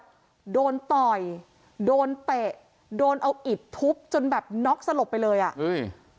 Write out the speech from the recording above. ก็โดนต่อยโดนเตะโดนเอาอิดทุบจนแบบน็อกสลบไปเลยอ่ะอุ้ย